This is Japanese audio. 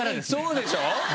そうでしょ？